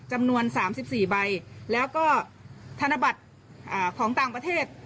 จำนวน๓๔ใบแล้วก็ธนบัตรของต่างประเทศ